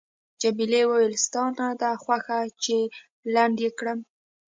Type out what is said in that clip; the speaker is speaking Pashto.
جميلې وويل:، ستا نه ده خوښه چې لنډ یې کړم؟